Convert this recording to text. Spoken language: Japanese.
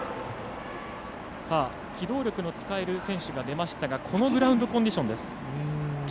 機動力の使える選手が出ましたがこのグラウンドコンディション。